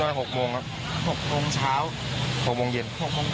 ประมาณ๖โมงครับ๖โมงเช้า๖โมงเย็น